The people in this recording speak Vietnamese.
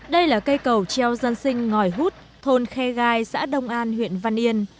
đây là cây cầu treo dân sinh ngòi hút thôn khe gai xã đông an huyện văn yên